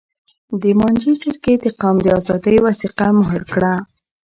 د مانجې جرګې د قوم د آزادۍ وثیقه مهر کړه.